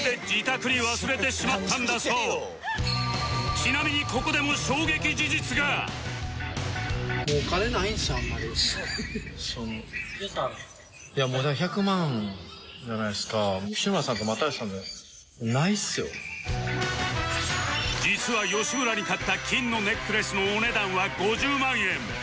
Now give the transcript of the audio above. ちなみに実は吉村に買った金のネックレスのお値段は５０万円